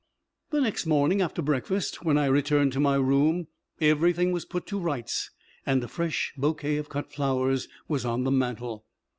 The next morning after breakfast, when I returned to my room, everything was put to rights and a fresh bouquet of cut flowers was on the mantel.